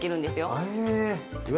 へえ。